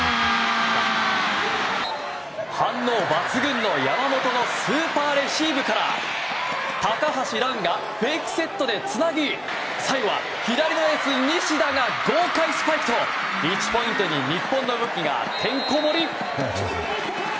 反応抜群の山本のスーパーレシーブから高橋藍がフェイクセットで繋ぎ最後は左のエース、西田が豪快スパイクと１クオーターに日本の武器がてんこ盛り。